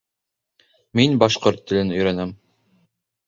Мин башҡорт телен өйрәнәм